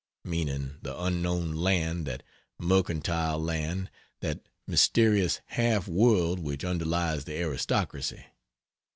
Meaning the unknown land, that mercantile land, that mysterious half world which underlies the aristocracy.